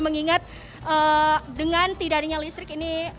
mengingat dengan tidak adanya listrik ini